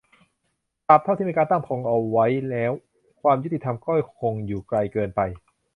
ตราบเท่าที่มีการตั้งธงเอาไว้แล้ว ความยุติธรรมก็คงอยู่ไกลเกินไป